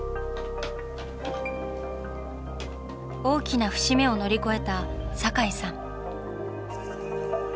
大きな節目を乗り越えた堺さん。